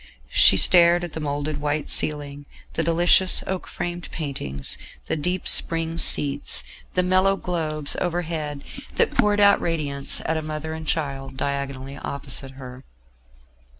She stared at the moulded white ceiling, the delicious oak framed paintings, the deep spring seats, the mellow globes overhead that poured out radiance, at a mother and child diagonally opposite her.